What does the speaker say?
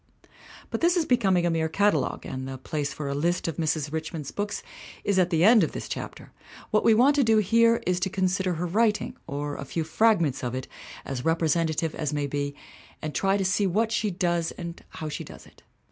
But this is becoming a mere catalogue, and the place for a list of Mrs. Richmond's books is at the end of this chapter. What we want to do here is to con sider her writing, or a few fragments of it as repre sentative as may be, and try to see what she does and how she does it.